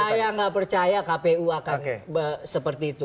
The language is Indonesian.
saya nggak percaya kpu akan seperti itu